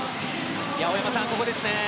大山さん、ここですね。